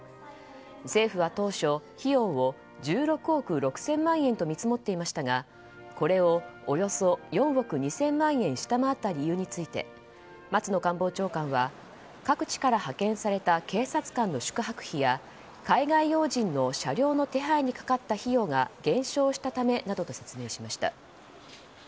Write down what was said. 政府は当初費用を１６億６０００万円と見積もっていましたがこれを、およそ４億２０００万円下回った理由について松野官房長官は各地から派遣された警察官の宿泊費や、海外要人の車両の手配にかかった費用が減少したためなどと説明しました。